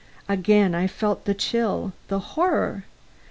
Again I felt the chill, the horror!